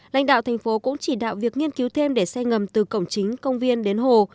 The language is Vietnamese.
lãnh đạo thành phố cũng chỉ đạo việc nghiên cứu thêm để xe ngầm từ cổng chính công viên đến hồ